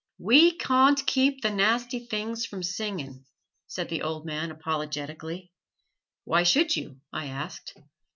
"We cawn't keep the nasty things from singin'," said the old man apologetically. "Why should you?" I asked.